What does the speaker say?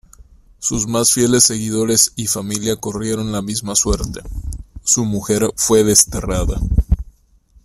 Sus más fieles seguidores y familia corrieron la misma suerte, su mujer fue desterrada.